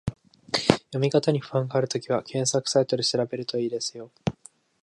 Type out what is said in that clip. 読み方に不安があるときは、検索サイトで調べると良いですよ